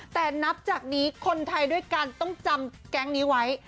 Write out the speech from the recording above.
แต่นับจากนี้คนไทยด้วยกันต้องจำแก๊งนี้ไว้